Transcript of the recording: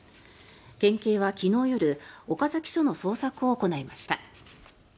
県警は昨日夜岡崎署の捜索を行いました。